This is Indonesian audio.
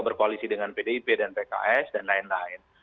berkoalisi dengan pdip dan pks dan lain lain